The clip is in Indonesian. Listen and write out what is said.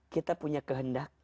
kita punya kehendak